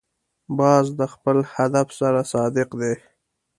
باز د خپل هدف سره صادق دی